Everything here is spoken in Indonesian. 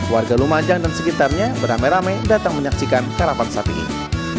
warga lumajang dan sekitarnya beramai ramai datang menyaksikan karapan sapi ini